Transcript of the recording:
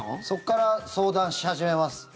そこから相談し始めます。